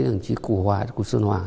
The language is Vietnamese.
đồng chí cụ hòa cụ xuân hòa